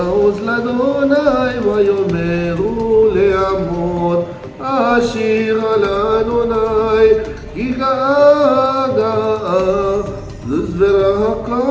museum holocaust yang menggambarkan pembantean umat yahudi di eropa secara resmi dibuka